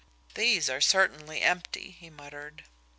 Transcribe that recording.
"These are certainly empty," he muttered.